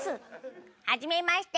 はじめまして。